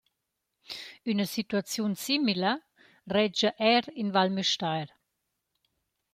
Üna situaziun simila redscha eir in Val Müstair.